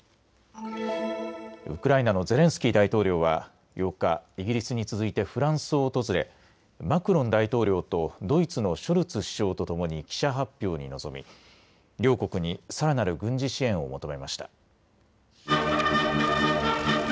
ウクライナのゼレンスキー大統領は８日、イギリスに続いてフランスを訪れ、マクロン大統領とドイツのショルツ首相とともに記者発表に臨み、両国にさらなる軍事支援を求めました。